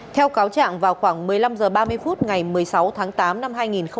theo cáo trạng vào khoảng một mươi năm h ba mươi phút ngày một mươi sáu tháng tám năm hai nghìn một mươi chín